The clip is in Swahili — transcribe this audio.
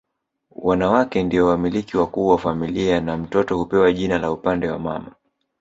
Wanawake ndio wamiliki wakuu wa familia na mtoto hupewa jina la upande wa mama